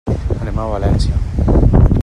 Anem a València.